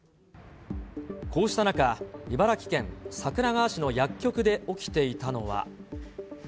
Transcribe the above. こうした中、茨城県桜川市の薬局で起きていたのは。